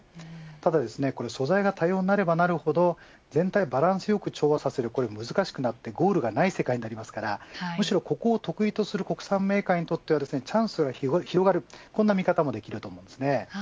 ただ素材が多様になればなるほど全体をバランスよく調和させるのが難しくなってゴールがない世界になりますからむしろここを得意とする国産メーカーにとってはチャンスが広がるという見方もできると思います。